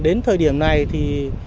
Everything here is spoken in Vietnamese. đến thời điểm này thì